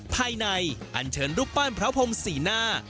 ภายในอันเชิญรูปป้านพระพรหมศรีนา